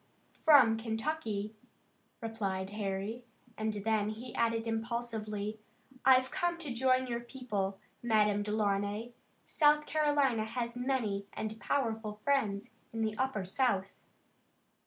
"From Kentucky," replied Harry, and then he added impulsively: "I've come to join your people, Madame Delaunay. South Carolina has many and powerful friends in the Upper South."